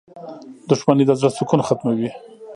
• دښمني د زړۀ سکون ختموي.